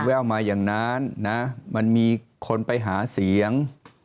แววมาอย่างนั้นนะมันมีคนไปหาเสียง